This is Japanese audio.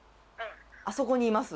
あそこにいます。